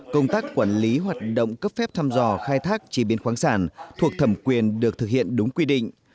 công tác quản lý hoạt động cấp phép thăm dò khai thác chế biến khoáng sản thuộc thẩm quyền được thực hiện đúng quy định